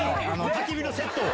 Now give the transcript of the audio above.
たき火のセットを。